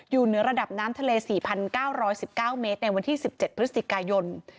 อยู่เหนือระดับน้ำทะเล๔๙๑๙เมตรในวันที่๑๗พฤศจิกายน